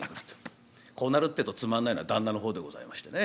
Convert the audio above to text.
こうなるってえとつまんないのは旦那の方でございましてね。